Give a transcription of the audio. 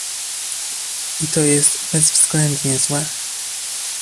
I to jest bezwzględnie złe